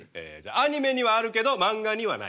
アニメにはあるけど漫画にはない。